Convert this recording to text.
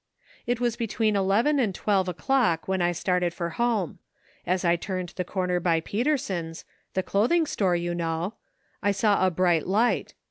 It was between eleven and twelve o'clock when I started for home. As I turned the corner by Peterson's — the clothing store, you know — I saw a bright light.